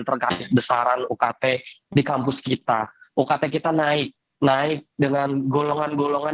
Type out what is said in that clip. terkait besaran ukt di kampus kita ukt kita naik naik dengan golongan golongan